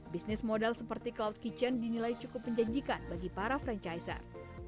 bisnis modal seperti cloud kitchen dinilai cukup menjanjikan bagi para franchizer